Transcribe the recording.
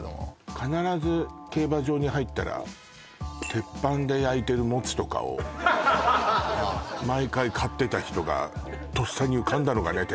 必ず競馬場に入ったら鉄板で焼いてるモツとかをはあ毎回買ってた人がとっさに浮かんだのかね？